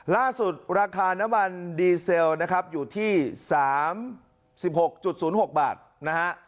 ล่าสุดราคานวันดีเซลนะครับอยู่ที่๑๖๐๖บาทนะฮะ